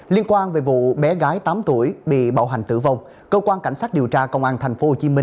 liên quan về vụ bé gái tám tuổi bị bạo hành tử vong cơ quan cảnh sát điều tra công an tp hcm